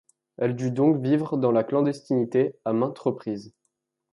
Elle dut donc vivre dans la clandestinité à maintes reprises.